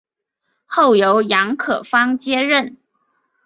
后由杨可芳接任。